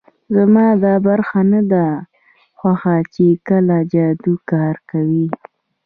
زما دا برخه نه ده خوښه چې کله جادو کار کوي